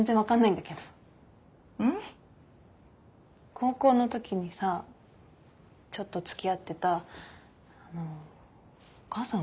高校のときにさちょっと付き合ってたあのお母さん覚えてるかな？